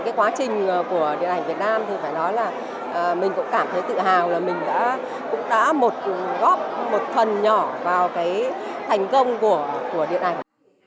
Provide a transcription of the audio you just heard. cái quá trình của điện ảnh việt nam thì phải nói là mình cũng cảm thấy tự hào là mình đã cũng đã một góp một phần nhỏ vào cái thành công của điện ảnh